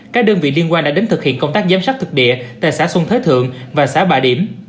các đơn vị liên quan đã đến thực hiện công tác giám sát thực địa tại xã xuân thới thượng và xã bà điểm